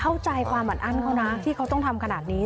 เข้าใจความอัดอั้นเขานะที่เขาต้องทำขนาดนี้